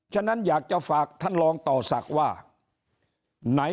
ฉะนั้นอยากจะฝากท่านรองต่อศักดิ์ว่าไหน